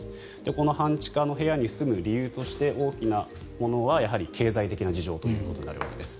この半地下の部屋に住む理由として、大きなものはやはり経済的な事情となるわけです。